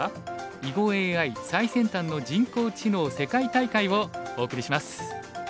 囲碁ＡＩ最先端の人工知能世界大会」をお送りします。